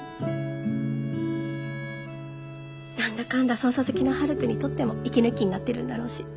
何だかんだ捜査好きのはるくんにとっても息抜きになってるんだろうし。